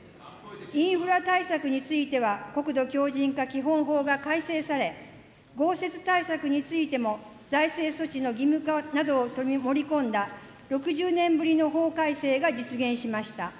インフラ対策については、国土強じん化基本法が改正され、豪雪対策についても財政措置の義務化などを盛り込んだ、６０年ぶりの法改正が実現しました。